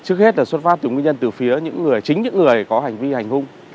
trước hết là xuất phát từ nguyên nhân từ phía những người chính những người có hành vi hành hung